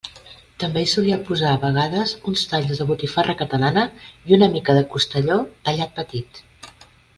També hi solia posar a vegades uns talls de botifarra catalana i una mica de costelló tallat petit.